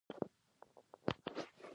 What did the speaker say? دا کتاب اناکارينينا د کوچنۍ برخې ژباړه ده.